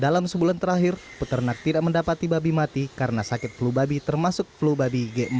dalam sebulan terakhir peternak tidak mendapati babi mati karena sakit flu babi termasuk flu babi g empat